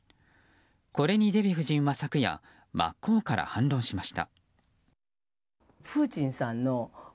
これにデヴィ夫人は昨夜真っ向から反論しました。